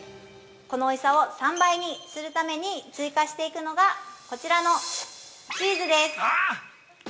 このおいしさを３倍にするために追加していくのがこちらのチーズです。